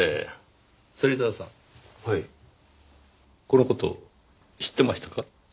この事知ってましたか？